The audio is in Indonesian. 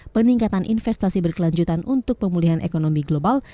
peningkatan investasi berkelanjutan untuk pemulihan ekonomi global